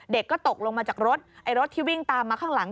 เด็กก็ตกลงมาจากรถไอ้รถที่วิ่งตามมาข้างหลัง